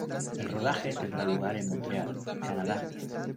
El rodaje tendrá lugar en Montreal, Canadá.